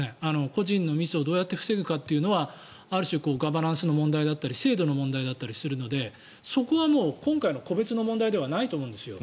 個人のミスをどうやって防ぐかというのはある種ガバナンスの問題だったり制度の問題だったりするのでそこはもう今回の個別の問題ではないと思うんですよ。